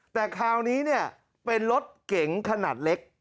แต่คราวนี้เนี่ยเป็นรถเก๋งขนาดเล็ก